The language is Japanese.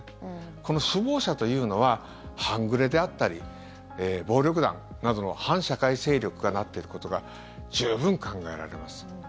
この首謀者というのは半グレであったり暴力団などの反社会勢力がなっていることが十分考えられます。